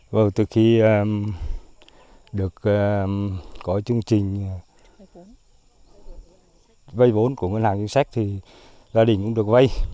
và từ khi được có chương trình vay vốn của ngân hàng chính sách thì gia đình cũng được vay